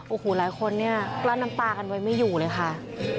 โอ้โหหลายคนเนี่ยกลั้นน้ำตากันไว้ไม่อยู่เลยค่ะ